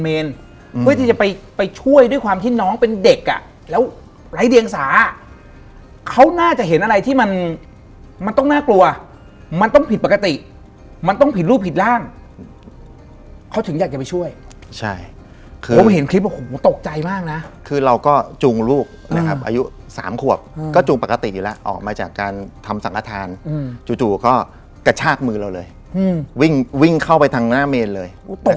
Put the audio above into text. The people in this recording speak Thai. เอ๊ะอะไปทักปุ๊บเนี่ย